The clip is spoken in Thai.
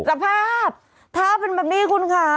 สภาพเท้าเป็นแบบนี้คุณค่ะ